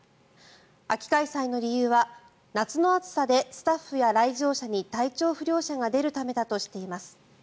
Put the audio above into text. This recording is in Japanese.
秋開催の理由は夏の暑さでスタッフや来場者に体調不良者が出るためだとしています。